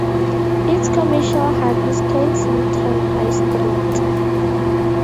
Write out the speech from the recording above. Its commercial heart is Kensington High Street.